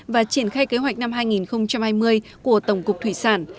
và triển khai kế hoạch năm hai nghìn hai mươi của tổng cục thủy sản